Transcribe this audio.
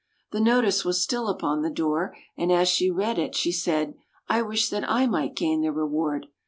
The notice was still upon the door, and as she read it she said, " I wish that I might gain the reward.